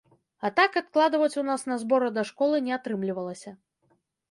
А так адкладваць у нас на зборы да школы не атрымлівалася.